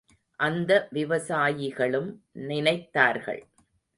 அந்த விவசாயிகளும் நினைத்தார்கள்.